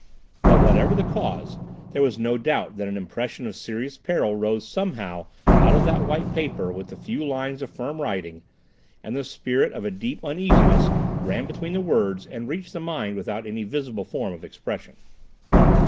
But, whatever the cause, there was no doubt that an impression of serious peril rose somehow out of that white paper with the few lines of firm writing, and the spirit of a deep uneasiness ran between the words and reached the mind without any visible form of expression.